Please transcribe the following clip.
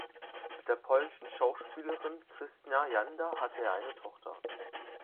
Mit der polnischen Schauspielerin Krystyna Janda hat er eine Tochter.